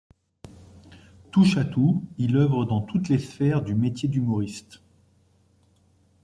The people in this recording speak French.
Touche-à-tout, il œuvre dans toutes les sphères du métier d’humoriste.